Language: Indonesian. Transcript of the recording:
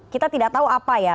kita tidak tahu apa ya